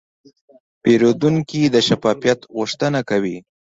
پیرودونکی د شفافیت غوښتنه کوي.